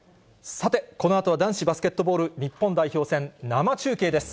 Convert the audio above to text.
さて、このあとは男子バスケットボール日本代表戦、生中継です。